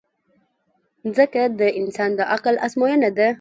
مځکه د انسان د عقل ازموینه ده.